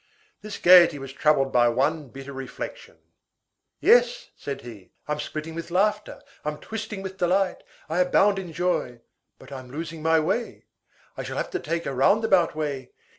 This gayety was troubled by one bitter reflection. "Yes," said he, "I'm splitting with laughter, I'm twisting with delight, I abound in joy, but I'm losing my way, I shall have to take a roundabout way.